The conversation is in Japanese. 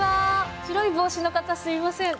白い帽子の方、すみません。